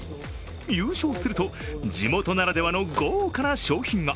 優勝すると地元ならではの豪華な賞品が。